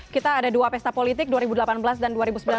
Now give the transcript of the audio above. kita ada dua pesta politik dua ribu delapan belas dan dua ribu sembilan belas